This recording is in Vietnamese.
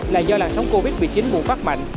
là do làn sóng covid một mươi chín bùng phát mạnh